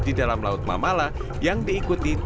di dalam laut mamala yang diikuti tiga puluh delapan penyelam